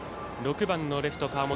６番のレフト、川元